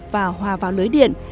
và hòa vào lưới điện